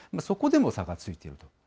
そこでも差がついていると。